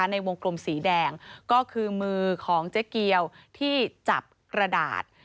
ในวงกลมสีแดงก็คือมือของเจ๊เกียวที่จับกระดาษ